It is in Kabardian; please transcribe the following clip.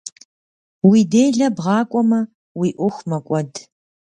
Уи делэ бгъэкIуэмэ, уи Iуэху мэкIуэд.